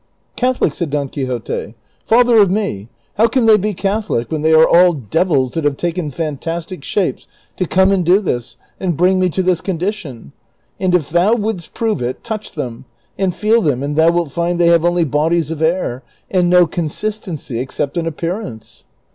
" Catholic !" said Don Quixote. " Father of me ! how can they be Catholic when they are all devils that have taken fan tastic shapes to come and do this, and bring me to this condi tion ? And if thou wouldst prove it, touch them, and feel them, and thou wilt find they have only bodies of air, and no consistency except in appearance."